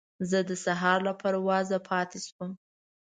زه د سهار له پروازه پاتې شوم.